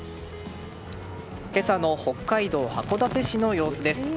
今朝の北海道函館市の様子です。